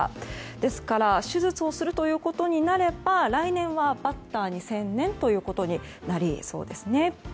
ですから手術をするということになれば来年はバッターに専念ということになりそうですね。